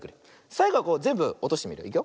さいごはこうぜんぶおとしてみるよ。